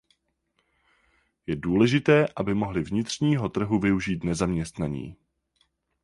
Je důležité, aby mohli vnitřního trhu využít nezaměstnaní.